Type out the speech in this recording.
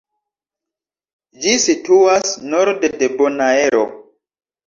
Ĝi situas norde de Bonaero.